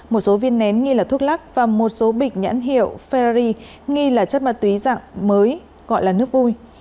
một số viên nén nghi là thuốc lắc và một số bịch nhãn hiệu ferrari nghi là chất ma túy dạng mới gọi là nước vui